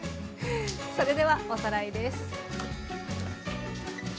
それではおさらいです。